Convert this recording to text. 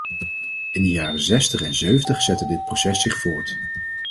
In de jaren zestig en zeventig zette dit proces zich voort.